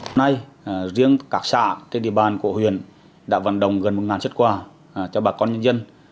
hôm nay riêng các xã trên địa bàn của huyện đã vận động gần một xuất quà cho bà con nhân dân